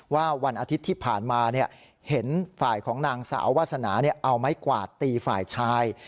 วันอาทิตย์ที่ผ่านมาเห็นฝ่ายของนางสาววาสนาเอาไม้กวาดตีฝ่ายชาย